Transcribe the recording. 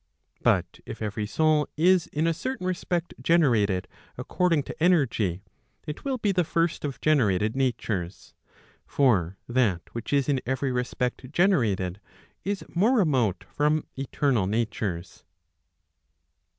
But if every soul is in a certain, respect generated according to energy, it will be the first of generated natures. For that which is in every respect generated, is more remote from eternal natures.